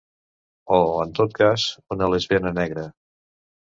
O, en tot cas, una lesbiana negra.